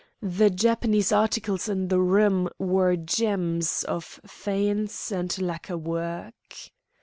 The Japanese articles in the room were gems of faience and lacquer work.